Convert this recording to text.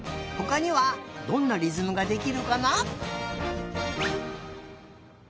ほかにはどんなりずむができるかな？